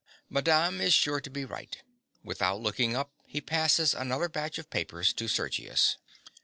Madame is sure to be right. (_Without looking up, he passes another batch of papers to Sergius.